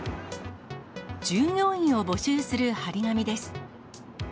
従業員を募集する貼り紙です。